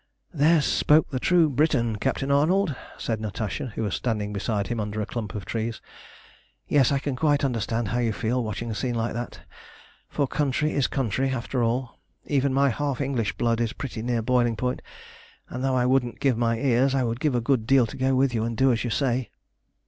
"There spoke the true Briton, Captain Arnold," said Natasha, who was standing beside him under a clump of trees. "Yes, I can quite understand how you feel watching a scene like that, for country is country after all. Even my half English blood is pretty near boiling point; and though I wouldn't give my ears, I would give a good deal to go with you and do as you say.